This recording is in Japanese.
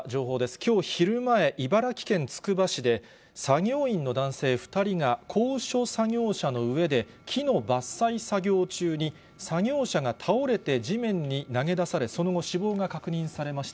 きょう昼前、茨城県つくば市で、作業員の男性２人が、高所作業車の上で木の伐採作業中に作業車が倒れて地面に投げ出され、その後、死亡が確認されました。